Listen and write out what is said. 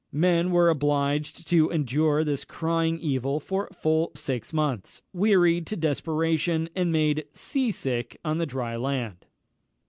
Men were obliged to endure this crying evil for full six months, wearied to desperation, and made sea sick on the dry land.